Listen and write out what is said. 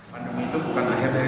pandemi itu bukan akhirnya